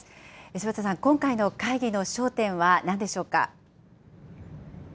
柴田さん、今回の会議の焦点はなんでしょうか。